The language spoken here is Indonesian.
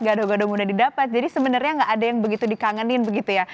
gadoh gadoh muda didapat jadi sebenarnya gak ada yang begitu dikangenin begitu ya